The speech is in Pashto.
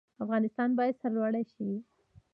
افغانستان باید سرلوړی شي